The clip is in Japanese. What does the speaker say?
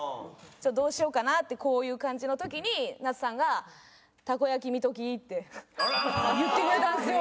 どうしようかなってこういう感じの時になつさんがたこ焼き見ときって言ってくれたんですよ。